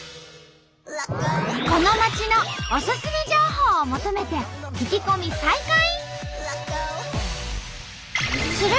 この街のオススメ情報を求めて聞き込み再開！